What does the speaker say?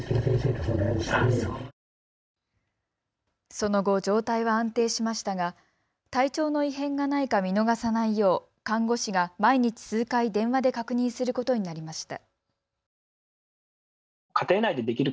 その後、状態は安定しましたが体調の異変がないか見逃さないよう看護師が毎日、数回、電話で確認することになりました。